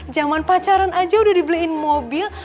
zaman pacaran aja udah dibeliin mobil